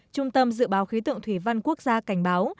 trung tâm dự báo khí tượng thủy văn quốc gia cảnh báo